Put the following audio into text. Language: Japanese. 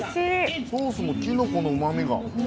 ソースも、きのこのうまみが。